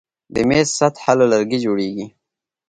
د میز سطحه له لرګي جوړیږي.